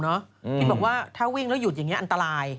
ที่บอกว่าถ้าวิ่งแล้วหยุดอย่างนี้อันตราย